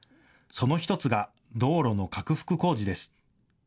その１つが道路の拡幅工事です。